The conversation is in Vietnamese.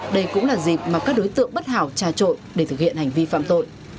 đây cũng là dịp mà các đối tượng bất hảo trà trội để thực hiện hành vi phạm tội